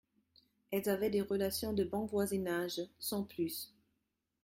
Elles avaient des relations de bon voisinage, sans plus.